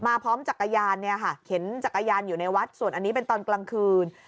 พร้อมจักรยานเนี่ยค่ะเข็นจักรยานอยู่ในวัดส่วนอันนี้เป็นตอนกลางคืน